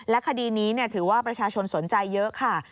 และคดีนี้เนี่ยถือว่าประชาชนสนใจเยอะค่ะ